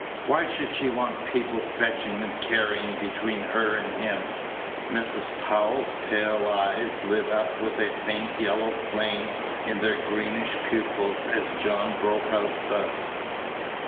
Why should she want people fetching and carrying between her and him?" Mrs. Powell's pale eyes lit up with a faint yellow flame in their greenish pupils as John broke out thus.